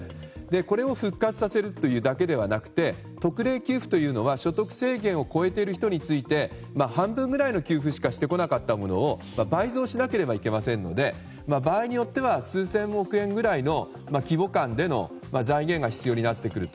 これを復活させるというだけではなくて特例給付というのは所得制限を超えている人について半分くらいの給付しかしてこなかったものを倍増しなければいけませんので場合によっては数千億円ぐらいの規模感での財源が必要になってくると。